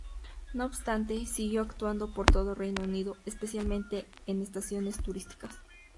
No obstante, siguió actuando por todo Reino Unido, especialmente en estaciones turísticas.